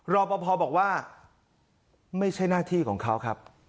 รอปภบอกว่าไม่ใช่หน้าที่ของเขาครับ